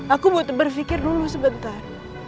aku berpikir dulu sebentar